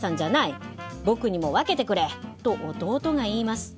僕にも分けてくれ」と弟が言います。